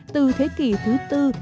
từ thế kỷ thứ tư